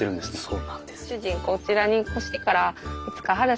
そうなんです。